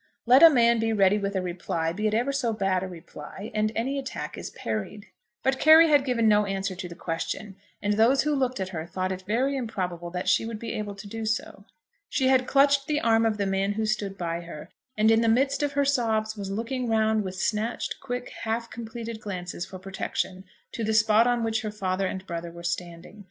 Let a man be ready with a reply, be it ever so bad a reply, and any attack is parried. But Carry had given no answer to the question, and those who looked at her thought it very improbable that she would be able to do so. She had clutched the arm of the man who stood by her, and in the midst of her sobs was looking round with snatched, quick, half completed glances for protection to the spot on which her father and brother were standing.